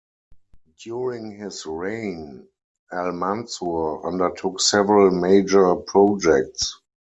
During his reign, Al-Mansur undertook several major projects.